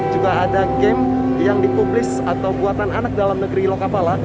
juga ada game yang dipublis atau buatan anak dalam negeri lokapala